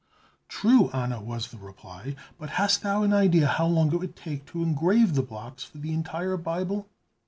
"True, Anna," was the reply; "but hast thou an idea how long it would take to engrave the blocks for the entire Bible?"